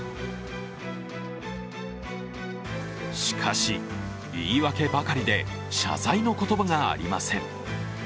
しかし、言い訳ばかりで謝罪の言葉がありません。